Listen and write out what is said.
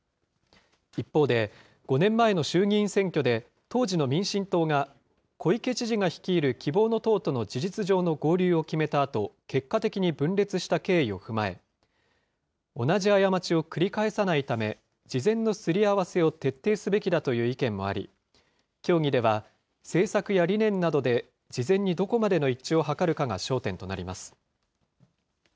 一方で、５年前の衆議院選挙で、当時の民進党が、小池知事が率いる希望の党との事実上の合流を決めたあと結果的に分裂した経緯を踏まえ、同じ過ちを繰り返さないため、事前のすり合わせを徹底すべきだという意見もあり、協議では、政策や理念などで事前にどこまでの一致を図るかが焦点となります。